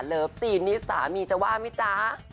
เลิฟซีนนี้สามีจะว่ามิจ๊ะ